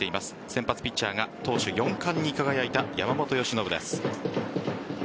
先発ピッチャーが投手４冠に輝いた山本由伸です。